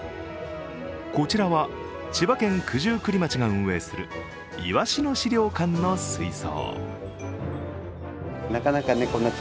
こちらは千葉県九十九里町が運営するいわしの資料館の水槽。